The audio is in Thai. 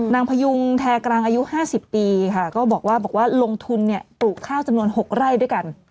พยุงแทกลางอายุ๕๐ปีค่ะก็บอกว่าลงทุนปลูกข้าวจำนวน๖ไร่ด้วยกัน